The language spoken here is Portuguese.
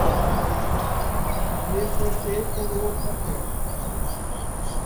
Me cortei com o papel